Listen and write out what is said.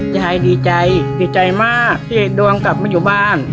ยายดีใจดีใจมากที่ดวงกลับมาอยู่บ้าน